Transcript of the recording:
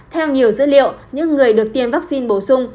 theo nhiều dữ liệu những người được tiêm vaccine bổ sung